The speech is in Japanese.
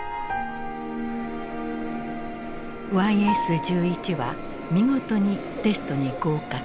ＹＳ−１１は見事にテストに合格。